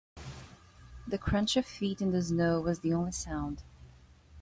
The crunch of feet in the snow was the only sound.